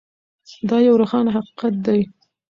دا یو روښانه حقیقت دی.